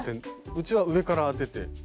うちは上から当てて。